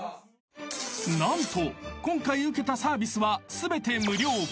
［何と今回受けたサービスは全て無料］